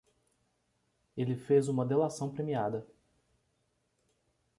Ele fez uma delação premiada